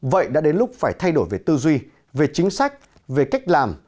vậy đã đến lúc phải thay đổi về tư duy về chính sách về cách làm